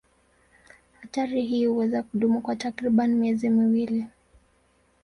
Hatari hii huweza kudumu kwa takriban miezi miwili.